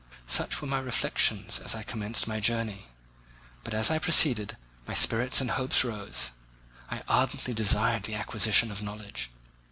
Such were my reflections as I commenced my journey; but as I proceeded, my spirits and hopes rose. I ardently desired the acquisition of knowledge.